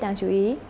đáng chú ý